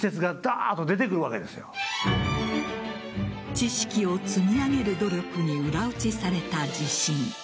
知識を積み上げる努力に裏打ちされた自信。